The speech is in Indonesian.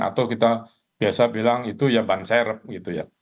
atau kita biasa bilang itu ya ban serep gitu ya